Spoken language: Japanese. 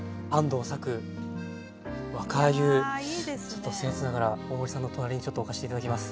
ちょっとせん越ながら大森さんの隣にちょっと置かせて頂きます。